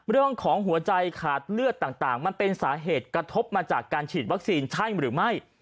เรื่องของหัวใจขาดเลือดต่างมันเป็นสาเหตุกระทบมาจากการฉีดวัคซีนใช่หรือไม่